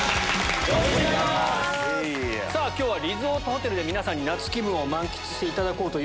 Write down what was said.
今日はリゾートホテルで夏気分を満喫していただこうと。